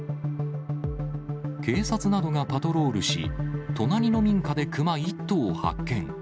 警察などがパトロールし、隣の民家でクマ１頭を発見。